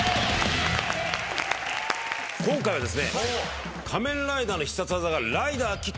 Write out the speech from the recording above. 今回はですね。